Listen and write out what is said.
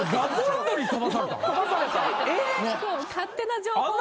勝手な情報を。